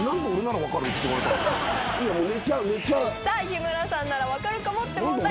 日村さんなら分かるかもって問題。